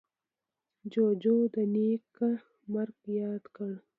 جوجو د نیکه مرگ ياد کړ.